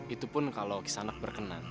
itu pun kalau sanak berkenan